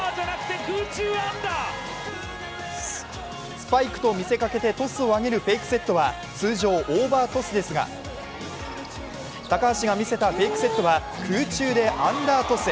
スパイクと見せかけてトスを上げるフェイクセットは通常オーバートスですが、高橋が見せたフェイクセットは空中でアンダートス。